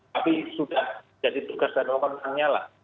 tapi sudah jadi tugas dari orang lain hanyalah